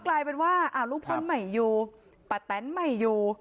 กลายเป็นว่าลุงพลไม่อยู่ป้าแตนไม่อยู่